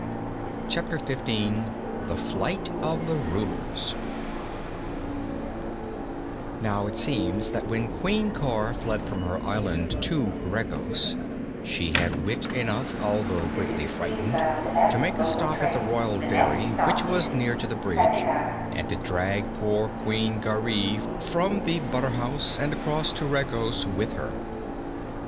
Chapter Fifteen The Flight of the Rulers Now it seems that when Queen Cor fled from her island to Regos, she had wit enough, although greatly frightened, to make a stop at the royal dairy, which was near to the bridge, and to drag poor Queen Garee from the butter house and across to Regos with her.